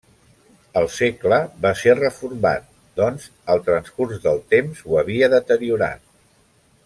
Al segle va ser reformat doncs el transcurs del temps ho havia deteriorat.